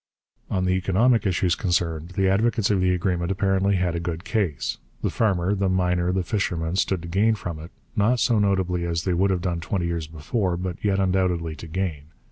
On the economic issues concerned the advocates of the agreement apparently had a good case. The farmer, the miner, the fisherman stood to gain from it, not so notably as they would have done twenty years before, but yet undoubtedly to gain.